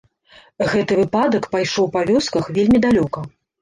Гэты выпадак пайшоў па вёсках вельмі далёка.